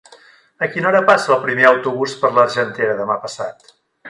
A quina hora passa el primer autobús per l'Argentera demà passat?